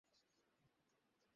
আমি তো কেবল ব্যবসায়ী মাত্র।